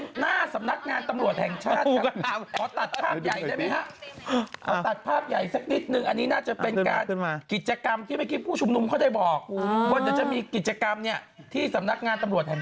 ยังวันไม่ต้องพูดถึง